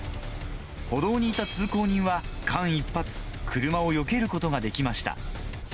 歩道にいた通行人は、間一髪、車をよけることができました。